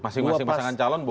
masih masih pasangan calon